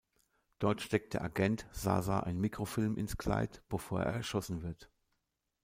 Dort steckt der Agent Zaza einen Mikrofilm ins Kleid, bevor er erschossen wird.